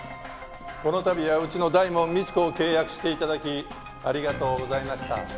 この度はうちの大門未知子を契約して頂きありがとうございました。